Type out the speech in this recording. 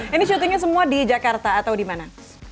ini shootingnya semua di jakarta atau dimana